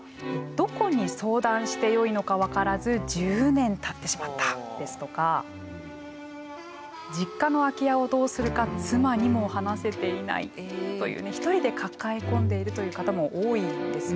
「どこに相談してよいのか分からず１０年たってしまった」ですとか「実家の空き家をどうするか妻にも話せていない」というね一人で抱え込んでいるという方も多いんですけれども。